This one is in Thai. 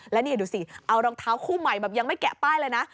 แล้วนี่ดูสิเอารองเท้าคู่ใหม่แบบยังไม่แกะป้ายเลยนะ